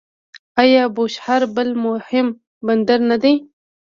آیا بوشهر بل مهم بندر نه دی؟